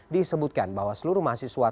disebutkan bahwa seluruh mahasiswa